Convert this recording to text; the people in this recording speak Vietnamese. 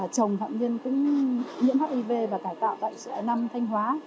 chồng phạm nhân cũng nhiễm hiv và cải tạo tại xã năm thanh hóa